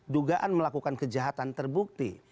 dugaan melakukan kejahatan terbukti